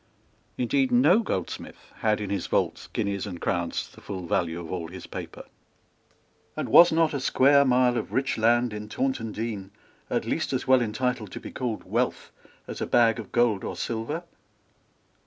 Indeed no goldsmith had in his vaults guineas and crowns to the full value of all his paper. And was not a square mile of rich land in Taunton Dean at least as well entitled to be called wealth as a bag of gold or silver?